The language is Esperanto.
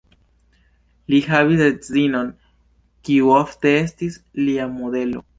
Li havis edzinon, kiu ofte estis lia modelo.